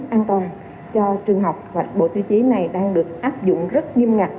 an toàn cho trường học và bộ tiêu chí này đang được áp dụng rất nghiêm ngặt